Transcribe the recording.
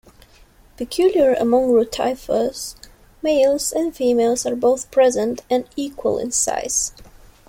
Peculiar among rotifers, males and females are both present and equal in size.